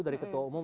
dari ketua umum